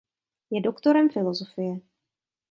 Je doktorem filosofie.